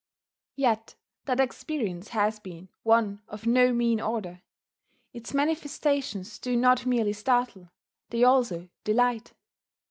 Yet that experience has been one of no mean order. Its manifestations do not merely startle: they also delight.